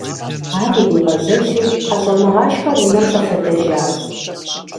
Ар иригъэжьэжри, ХьэщӀэмыгъашхэ унэм щӀэлъэдэжащ.